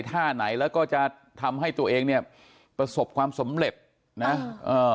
ท่าไหนแล้วก็จะทำให้ตัวเองเนี่ยประสบความสำเร็จนะเอ่อ